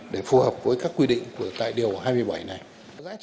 để phù hợp với các quy định tại điều hai mươi bảy này